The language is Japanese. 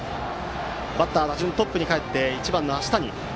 バッターはトップにかえって１番の足谷。